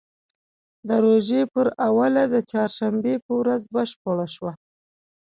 د روژې پر اوله د چهارشنبې په ورځ بشپړه شوه.